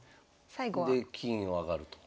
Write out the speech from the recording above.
で金を上がると。